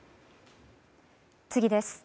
次です。